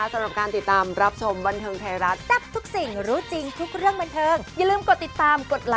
ชาวบ้านรู้หรือเปล่า